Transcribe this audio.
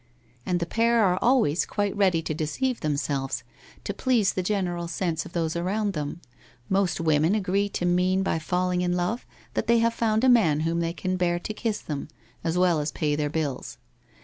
And tbe pair arc always quite ready to deceive themselves, to please the general sense of those around them. Most women agree to mean by falling in lo e that they have found a man whom they can bear to kiss them, as well as pay their bills.